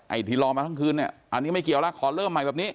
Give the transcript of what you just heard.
ที่รอมาทั้งคืนเนี่ยอันนี้ไม่เกี่ยวแล้วขอเริ่มใหม่แบบนี้